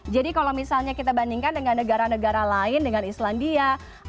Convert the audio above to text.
jadi kalau misalnya kita bandingkan dengan negara negara lain dengan islandia amerika